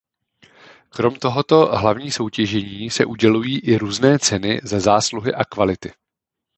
Krom tohoto hlavní soutěžení se udělují i různé ceny za zásluhy a kvality.